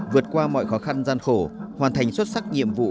vượt qua mọi khó khăn gian khổ hoàn thành xuất sắc nhiệm vụ